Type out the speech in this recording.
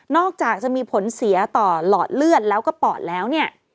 อกจากจะมีผลเสียต่อหลอดเลือดแล้วก็ปอดแล้วเนี่ย